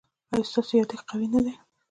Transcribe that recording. ایا ستاسو یادښت قوي نه دی؟